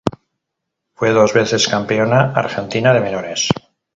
Fue dos veces campeona argentina de menores.